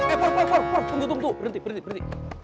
eh porp porp tunggu tunggu berhenti berhenti